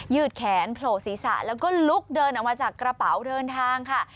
ืดแขนโผล่ศีรษะแล้วก็ลุกเดินออกมาจากกระเป๋าเดินทางค่ะ